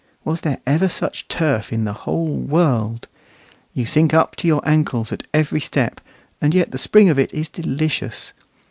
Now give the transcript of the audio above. Was there ever such turf in the whole world? You sink up to your ankles at every step, and yet the spring of it is delicious.